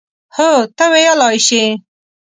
هو، ته ویلای شې.